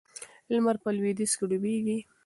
لمر په لویدیځ کې ډوبیږي.